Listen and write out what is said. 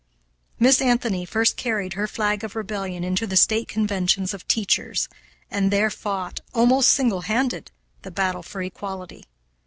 Miss Anthony first carried her flag of rebellion into the State conventions of teachers, and there fought, almost single handed, the battle for equality.